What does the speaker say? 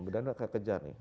mudah mudahan udah kekejar nih